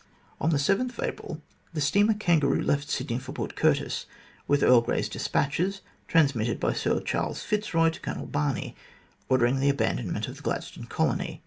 On April 7, the steamer Kangaroo left Sydney for Port Curtis with Earl Grey's despatches, transmitted by Sir Charles Fitzroy to Colonel Barney, ordering the abandonment of the Gladstone Colony.